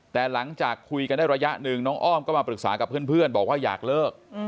แต่หลังจากคุยกันได้ระยะหนึ่งน้องอ้อมก็มาปรึกษากับเพื่อนบอกว่าอยากเลิก